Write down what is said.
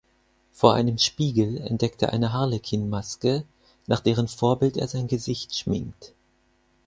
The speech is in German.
Vor einem Spiegel entdeckt er eine Harlekin-Maske, nach deren Vorbild er sein Gesicht schminkt.